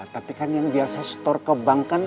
tapi kan yang biasa setor ke bankan